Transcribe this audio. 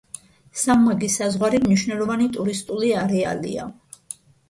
სამმაგი საზღვარი მნიშვნელოვანი ტურისტული არეალია.